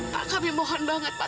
pak kami mohon banget pak